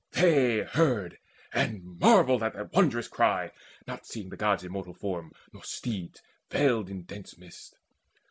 They heard, and marvelled at that wondrous cry, Not seeing the God's immortal form, nor steeds, Veiled in dense mist.